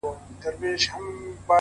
حدِاقل چي ته مي باید پُخلا کړې وای؛